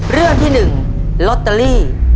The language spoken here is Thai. เรื่องที่๑ลอตเตอรี่